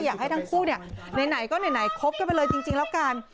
อยากให้ทั้งคู่เนี่ยไหนก็ไหนคบกันไปเลยจริงแล้วกัน